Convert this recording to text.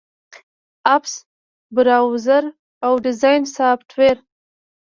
آفس، براوزر، او ډیزاین سافټویر